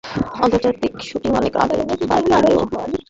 আন্তর্জাতিক শ্যুটিং অনেক আগে বাদ দিলেও ঘরোয়া শ্যুটিংয়ে এখনো আতিক খেলছেন।